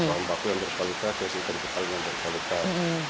bahan baku yang berkualitas ikan ketal yang berkualitas